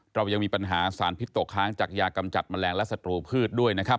เรายังมีปัญหาสารพิษตกค้างจากยากำจัดแมลงและศัตรูพืชด้วยนะครับ